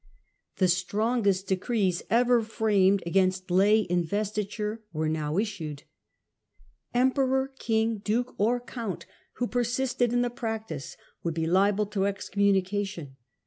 The strongest decrees ever framed against lay investiture were now issued. Em Bynodat peror, king, duke, or count who persisted in Mandi 1080 the practico would be liable to excommunica tion.